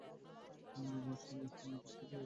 নির্মাণ শৈলীর দিক থেকেও এটি অনেক উঁচুমানের।